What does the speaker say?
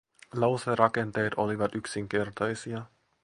Lauserakenteet olivat yksinkertaisia;